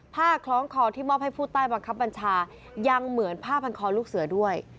คล้องคอที่มอบให้ผู้ใต้บังคับบัญชายังเหมือนผ้าพันคอลูกเสือด้วย